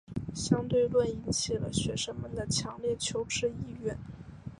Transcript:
相对论引起了学生们的强烈求知意愿。